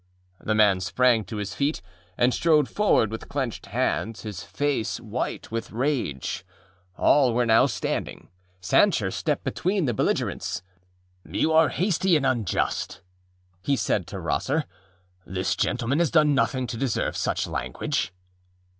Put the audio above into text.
â The man sprang to his feet and strode forward with clenched hands, his face white with rage. All were now standing. Sancher stepped between the belligerents. âYou are hasty and unjust,â he said to Rosser; âthis gentleman has done nothing to deserve such language.